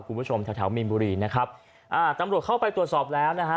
คุณผู้ชมแถวแถวมีนบุรีนะครับอ่าตำรวจเข้าไปตรวจสอบแล้วนะฮะ